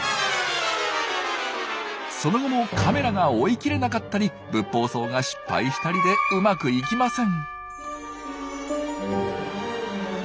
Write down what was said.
その後もカメラが追いきれなかったりブッポウソウが失敗したりでうまくいきません。